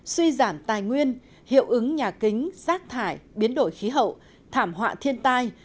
suy giảm tài nguyên hiệu ứng nhà kính rác thải biến đổi khí hậu thảm họa thiên tai